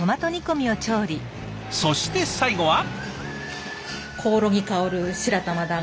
そして最後は。